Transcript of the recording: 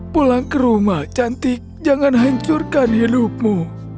pulang ke rumah cantik jangan hancurkan hidupmu